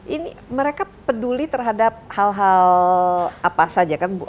ini mereka peduli terhadap hal hal apa saja kan bu